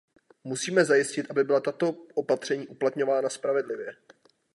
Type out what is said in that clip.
Musíme zajistit, aby byla tato opatření uplatňována spravedlivě.